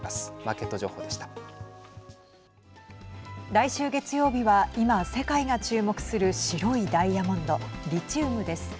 来週月曜日は今、世界が注目する白いダイヤモンドリチウムです。